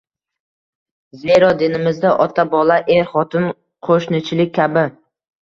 Zero dinimizda ota-bola, er-xotin, qo‘shnichilik kabi